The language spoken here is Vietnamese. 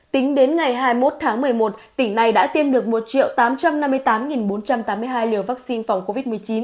tính đến ngày hai mươi một tháng một mươi một tỉnh này đã tiêm được một tám trăm năm mươi tám bốn trăm tám mươi hai liều vaccine phòng covid một mươi chín